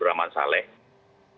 setiap harinya sepuluh line operator